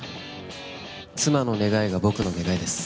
妻の願いが僕の願いです